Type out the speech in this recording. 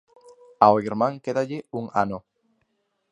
Ao irmán quédalle un ano.